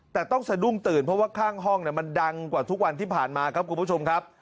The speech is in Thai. แต่ต้องสะดุ้งตื่นเพราะว่าข้างห้องมันดังกว่าทุกวันที่ผ่านมาครับคุณผู้ชมครับ